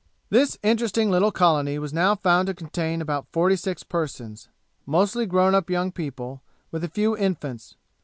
This interesting little colony was now found to contain about forty six persons, mostly grown up young people, with a few infants.